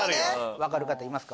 分かる方いますか？